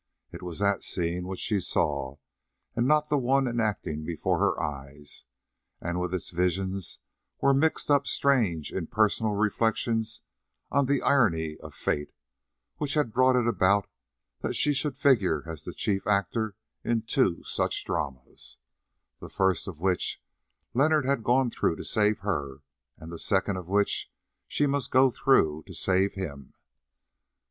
It was that scene which she saw, and not the one enacting before her eyes, and with its visions were mixed up strange impersonal reflections on the irony of fate, which had brought it about that she should figure as the chief actor in two such dramas, the first of which Leonard had gone through to save her, and the second of which she must go through to save him.